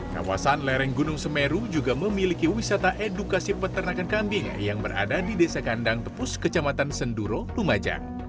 kawasan lereng gunung semeru juga memiliki wisata edukasi peternakan kambing yang berada di desa kandang tepus kecamatan senduro lumajang